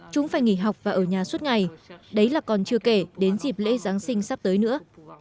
chúng phải nghỉ học và ở nhà suốt ngày đấy là còn chưa kể đến dịp lễ giáng sinh sắp tới nữa